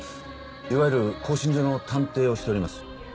いわゆる興信所の探偵をしております。